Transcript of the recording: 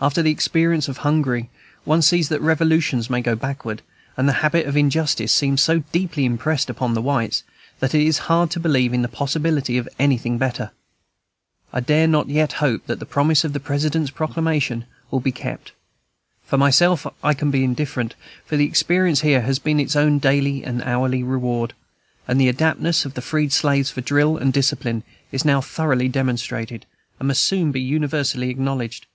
After the experience of Hungary, one sees that revolutions may go backward; and the habit of injustice seems so deeply impressed upon the whites, that it is hard to believe in the possibility of anything better. I dare not yet hope that the promise of the President's Proclamation will be kept. For myself I can be indifferent, for the experience here has been its own daily and hourly reward; and the adaptedness of the freed slaves for drill and discipline is now thoroughly demonstrated, and must soon be universally acknowledged.